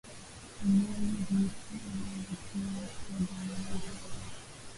Eneo ilipo inawavutia watu wa jamiii mbalimbali